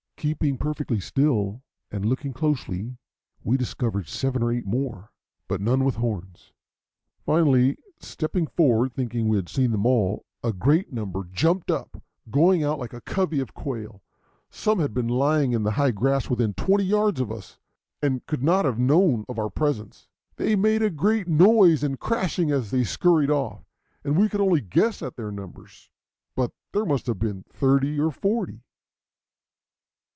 Keeping perfectly still and looking closely, we discovered seven or eight more, but none with horns. Finally, stepping forward, thinking we had seen them all, a great number jumped up, going out like a covey of quail. Some had been lying down in the high grass within twenty yards of us, and could not have known of our presence. They made a great noise and crashing as they scurried off, and we could only guess at their numbers, but there must have been thirty or forty.